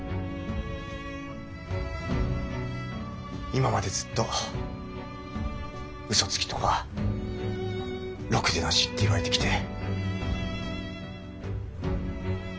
今までずっとウソつきとかろくでなしって言われてきて。